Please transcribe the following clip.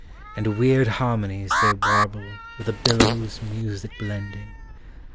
And weird harmonies they warble With the billows' music blending.